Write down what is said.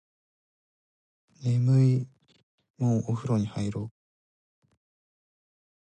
眠いもうお風呂入ろう